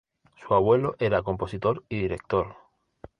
Su abuelo era compositor y director.